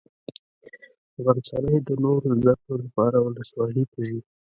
غرڅنۍ د نورو زده کړو لپاره ولسوالي ته ځي.